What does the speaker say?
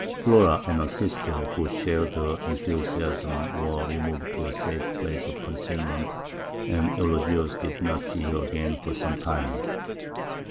Flora and a sister who shared her enthusiasm were removed to a safe place of concealment, and Eulogius did not see her again for some time.